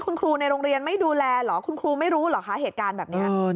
คุณครูในโรงเรียนไม่ดูแลเหรอคุณครูไม่รู้เหรอคะเหตุการณ์แบบนี้